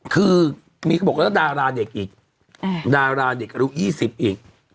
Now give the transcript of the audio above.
คือมีเขาบอกแล้วดาราเด็กอีกดาราเด็กอายุ๒๐อีก